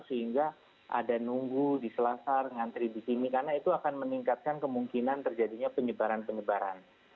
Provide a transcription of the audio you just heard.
sehingga ada nunggu di selasar ngantri di sini karena itu akan meningkatkan kemungkinan terjadinya penyebaran penyebaran